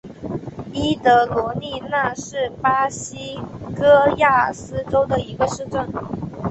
伊德罗利纳是巴西戈亚斯州的一个市镇。